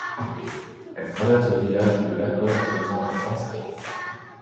Elle traverse le village de Lacolle en faisant un grand serpentin.